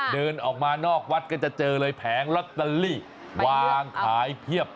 เดินออกมานอกวัดก็จะเจอเลยแผงลอตเตอรี่วางขายเพียบ